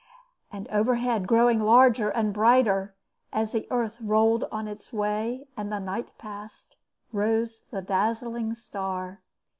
And overhead, growing larger and brighter, as the earth rolled on its way and the night passed, rose the dazzling star.